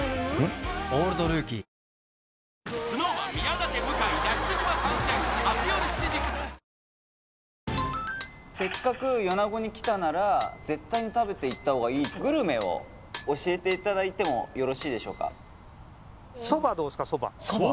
なるほどせっかく米子に来たなら絶対に食べていった方がいいグルメを教えていただいてもよろしいでしょうか？